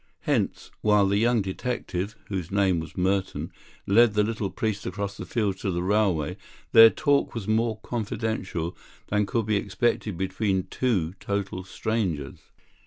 Hence, while the young detective (whose name was Merton) led the little priest across the fields to the railway, their talk was more confidential than could be expected between two total strangers.